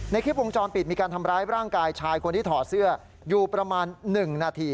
ในคลิปวงจรปิดมีการทำร้ายร่างกายชายคนที่ถอดเสื้ออยู่ประมาณ๑นาที